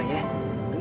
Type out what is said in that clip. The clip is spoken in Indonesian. tunggu ya tunggu ya